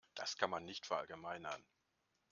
Das kann man nicht verallgemeinern.